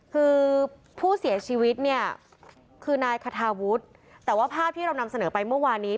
คือผู้เสียชีวิตเนี่ยคือนายคาทาวุฒิแต่ว่าภาพที่เรานำเสนอไปเมื่อวานนี้